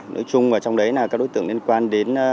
nói chung là các đối tượng liên quan đến